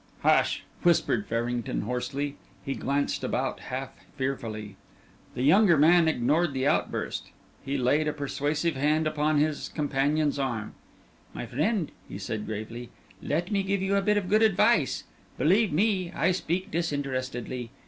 "Hush!" whispered Farrington, hoarsely. He glanced about half fearfully. The younger man ignored the outburst. He laid a persuasive hand upon his companion's arm. "My friend," he said gravely, "let me give you a bit of good advice. Believe me, I speak disinterestedly.